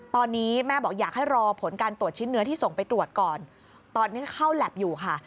ตอนนี้แม่บอกอยากให้รอผลการตรวจชิ้นเนื้อที่ส่งไปตรวจก่อนตอนนี้เข้าแล็บอยู่ค่ะ